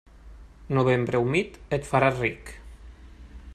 Novembre humit, et faràs ric.